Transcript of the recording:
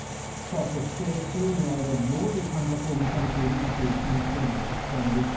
そして、市民の間でどういう感覚を持たれているかという先生の実感です。